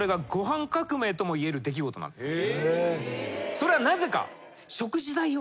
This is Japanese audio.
それはなぜか？